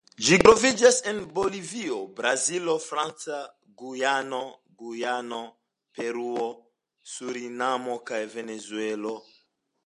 Ĝi troviĝas en Bolivio, Brazilo, Franca Gujano, Gujano, Peruo, Surinamo kaj Venezuelo.